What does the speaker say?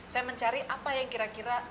saya mencari apa yang kira kira